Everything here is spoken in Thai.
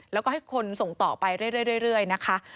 แล้วก็ให้คนส่งต่อไปเรื่อยนะคะ